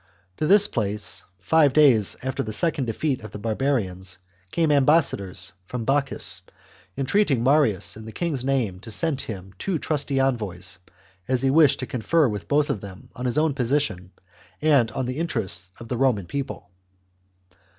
To this place, five days after the second ^defeat of the barbarians, came ambassadors from Bocchus entreating Marius in the king's name to send him two trusty envoys, as he wished to confer with them both on his own position and on the interests of the Roman people.